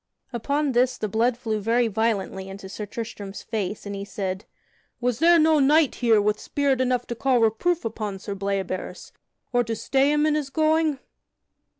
Upon this the blood flew very violently into Sir Tristram's face, and he said: "Was there no knight here with spirit enough to call reproof upon Sir Bleoberis, or to stay him in his going?"